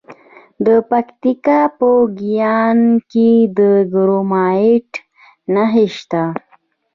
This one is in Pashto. د پکتیکا په ګیان کې د کرومایټ نښې شته.